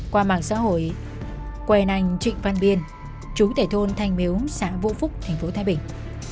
qua mạng xã hội quen anh trịnh văn biên trú tể thôn thanh miếu xã vũ phúc tp thái bình